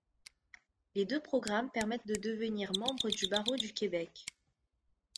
Les deux programmes permettent de devenir membre du Barreau du Québec.